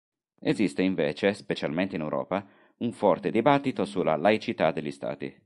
Esiste invece, specialmente in Europa, un forte dibattito sulla laicità degli Stati.